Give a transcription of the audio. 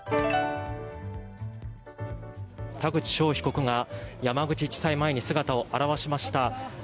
田口翔被告が山口地裁前に姿を現しました。